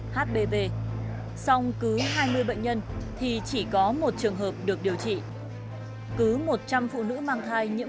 hbv xong cứ hai mươi bệnh nhân thì chỉ có một trường hợp được điều trị cứ một trăm linh phụ nữ mang thai nhiễm